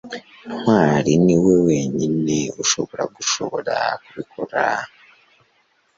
ntwali niwe wenyine ushobora gushobora kubikora